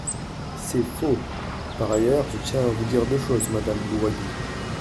C’est faux ! Par ailleurs, je tiens à vous dire deux choses, madame Louwagie.